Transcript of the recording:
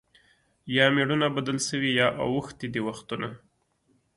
یا مېړونه بدل سوي یا اوښتي دي وختونه